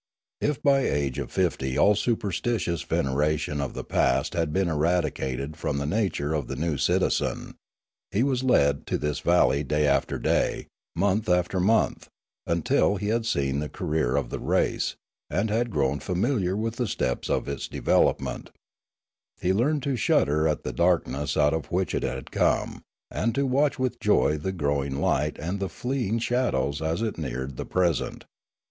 If by the age of fifty all superstitious veneration of the past had been eradicated from the nature of the new citizen, he was led to this valley day after day, month after month, until he had seen the career of the race, and had grown familiar with the steps of its develop ment; he learned to shudder at the darkness out of which it had come, and to watch with joy the growing light and the fleeing shadows as it neared the present.